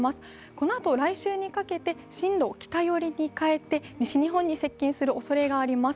このあと、来週にかけて進路を北寄りに変えて西日本に接近するおそれがあります。